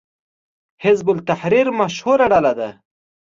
حزب التحریر مشهوره ډله ده